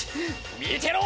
見てろ！